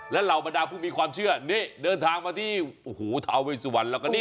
และเหล่าบรรดาผู้มีความเชื่อนี่เดินทางมาที่โอ้โหทาเวสุวรรณแล้วก็นี่